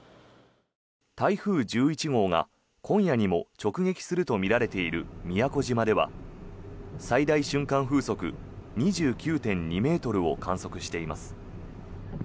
台風１１号が今夜にも直撃するとみられている宮古島では最大瞬間風速２９．２ｍを観測しています。